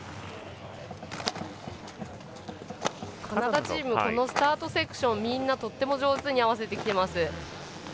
カナダチームスタートセクションみんなとっても上手に合わせてきてます。